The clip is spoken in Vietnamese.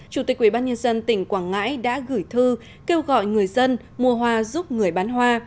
chủ tịch ubnd tỉnh quảng ngãi đã gửi thư kêu gọi người dân mua hoa giúp người bán hoa